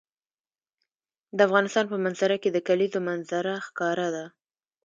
د افغانستان په منظره کې د کلیزو منظره ښکاره ده.